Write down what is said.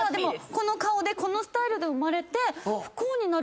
この顔でこのスタイルで生まれて。